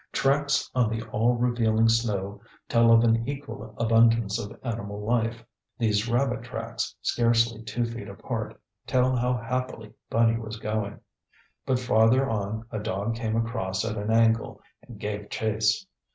Tracks on the all revealing snow tell of an equal abundance of animal life. These rabbit tracks, scarcely two feet apart, tell how happily bunny was going. But farther on a dog came across at an angle and gave chase.